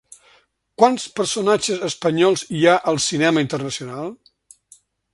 Quants personatges espanyols hi ha al cinema internacional?